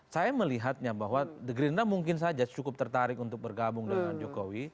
saya melihatnya bahwa gerindra mungkin saja cukup tertarik untuk bergabung dengan jokowi